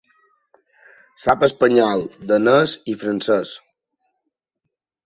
Sap espanyol, danès i francès.